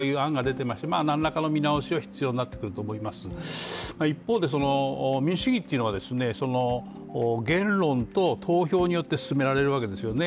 屋内にするとか、アクリル板を作るとか持ち物検査を強化するといった案が出ていまして何らかの見直しは必要になってくると思います一方で、民主主義というのは言論と投票によって進められるわけですよね。